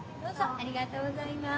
ありがとうございます。